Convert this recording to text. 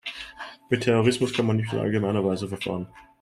Mit Terrorismus kann man nicht in allgemeiner Weise verfahren.